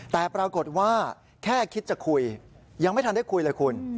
แต่ปรากฏว่าแค่คิดจะคุยยังไม่ทันได้คุยเลยคุณ